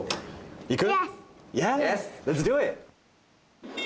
いく？